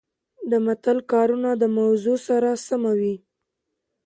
د متل کارونه د موضوع سره سمه وي